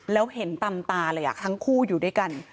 แล้วเห็นตามตาเลยทั้งคู่อยู่ด้วยกัน